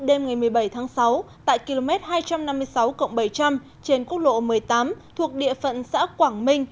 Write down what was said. đêm ngày một mươi bảy tháng sáu tại km hai trăm năm mươi sáu bảy trăm linh trên quốc lộ một mươi tám thuộc địa phận xã quảng minh